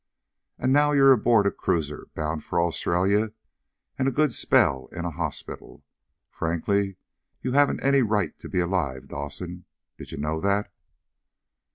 And now you're aboard a cruiser bound for Australia and a good spell in a hospital. Frankly, you haven't any right to be alive, Dawson. Did you know that?"